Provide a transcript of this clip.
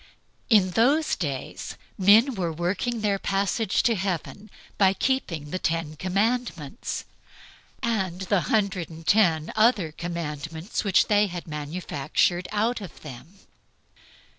In those days men were working the passage to Heaven by keeping the Ten Commandments, and the hundred and ten other commandments which they had manufactured out of them.